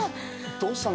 どうしたの？